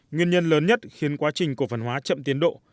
nguyên nhân lớn nhất khiến quá trình cổ phần hóa chậm tiến độ